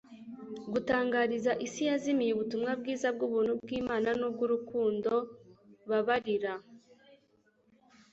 gutangariza isi yazimiye ubutumwa bwiza bw'ubuntu bw'Imana n'ubw'urukundo wbabarira.